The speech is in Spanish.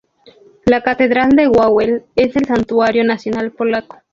La Catedral de Wawel es el santuario nacional polaco.